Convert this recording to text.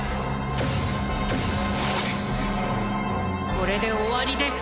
これで終わりです。